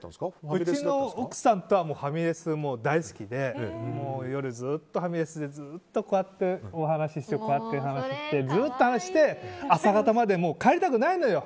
うちの奥さんはファミレス大好きで夜ずっとファミレスでこうやってお話ししてずっと話をして朝方まで帰りたくないのよ。